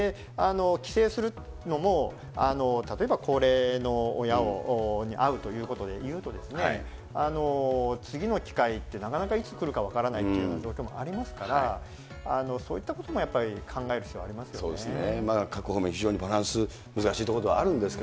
帰省するのも、例えば高齢の親に会うということで言うと、次の機会ってなかなかいつ来るか分からないというような状況もありますから、そういったこともやっぱり考える必要ありますよね。